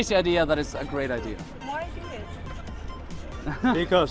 ini ide yang gila dan ide yang bagus